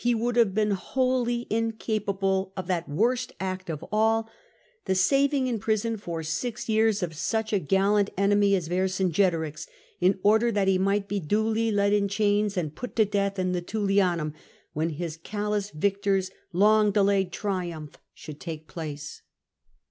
He would have been wholly incapable of that worst act of all, the saving in prison for six years of such a gallant enemy as Vercinge torix, in order that he might be duly led in chains and put to death in the Tullianum, when his callous victor's long delayed triumph should take place.